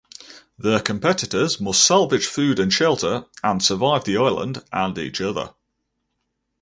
The competitors must salvage food and shelter and survive the island and each other.